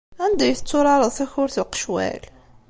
Anda ay tetturareḍ takurt n uqecwal?